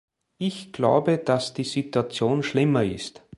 Ich glaube, dass die Situation schlimmer ist.